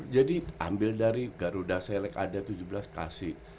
jadi ambil dari garuda select ada tujuh belas kasih